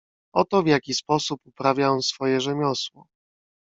"Oto w jaki sposób uprawia on swoje rzemiosło."